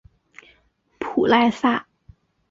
普赖萨。